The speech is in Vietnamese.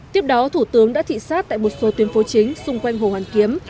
tiếp đó thủ tướng đã thị xát tại một số tuyến phố chính xung quanh hồ hoàn kiếm